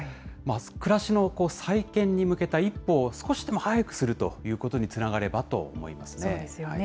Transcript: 暮らしの再建に向けた一歩を少しでも早くするということにつながそうですよね。